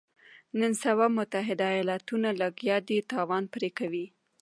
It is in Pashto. نن سبا متحده ایالتونه لګیا دي تاوان پرې کوي.